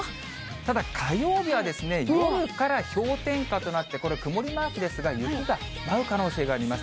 ただ火曜日は、夜から氷点下となって、これ、曇りマークですが、雪が舞う可能性があります。